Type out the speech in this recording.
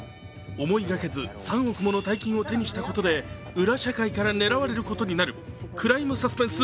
思いがけず３億もの大金を手にしたことで裏社会から狙われることになるクライムサスペンス